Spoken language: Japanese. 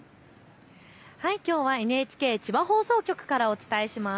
きょうはＮＨＫ千葉放送局からお伝えします。